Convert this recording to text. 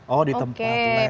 oh di tempat les